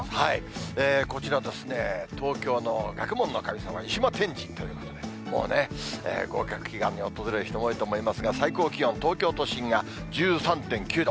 こちら、東京の学問の神様、湯島天神ということで、もうね、合格祈願に訪れる人も多いと思いますが、最高気温、東京都心が１３．９度。